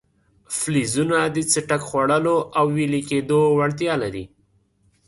فلزونه د څټک خوړلو او ویلي کېدو وړتیا لري.